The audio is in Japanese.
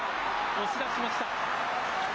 押し出しました。